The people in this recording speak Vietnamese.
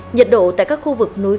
nhiệt độ tại các khu vực núi